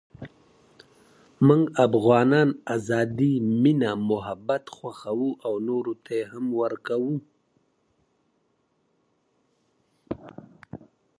ازادي راډیو د سوداګریز تړونونه د اړونده قوانینو په اړه معلومات ورکړي.